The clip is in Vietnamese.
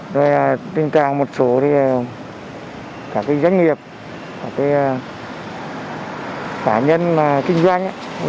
rồi tình trạng một số các doanh nghiệp các cá nhân kinh doanh